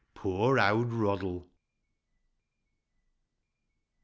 Pbor owd Roddle !